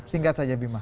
singkat saja bima